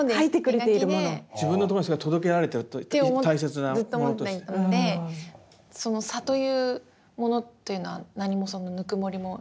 自分のとこに届けられてる大切なものとして。ってずっと思っていたのでその差というものというのは何もそのぬくもりも。